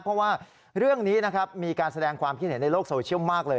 เพราะว่าเรื่องนี้นะครับมีการแสดงความคิดเห็นในโลกโซเชียลมากเลย